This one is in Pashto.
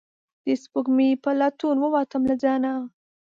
د سپوږمۍ په لټون ووتم له ځانه